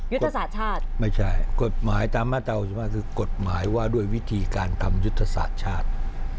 ยุทธศาสตร์ชาติไม่ใช่กฎหมายตามมาตรา๖๕คือกฎหมายว่าด้วยวิธีการทำยุทธศาสตร์ชาติ